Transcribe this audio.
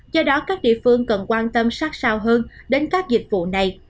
do đó các địa phương cần quan tâm sát sao hơn đến các dịch vụ này